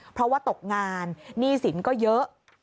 เพราะว่าตกงานหนี้สินก็เยอะ